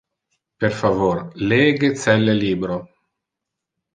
Per favor lege celle libro.